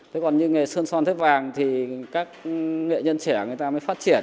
thế còn như nghề sơn son thép vàng thì các nghệ nhân trẻ người ta mới phát triển